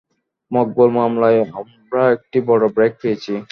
মকবুল মামলায় আমরা একটি বড় ব্রেক পেয়েছি।